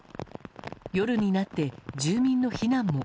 夜になって住民の避難も。